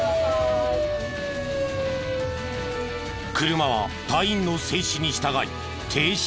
車は隊員の制止に従い停車。